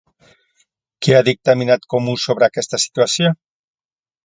Què ha dictaminat Comú sobre aquesta situació?